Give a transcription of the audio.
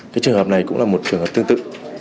cái trường hợp này cũng là một trường hợp tương tự